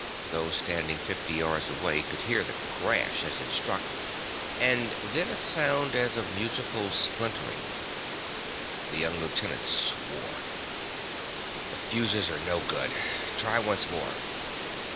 Those standing fifty yards away could hear the crash as it struck, and then a sound as of musical splintering. The young lieutenant swore. "The fuses are no good. Try once more."